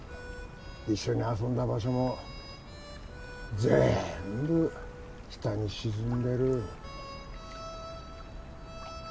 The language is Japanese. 一緒に遊んだ場所もぜんぶ下に沈んでる。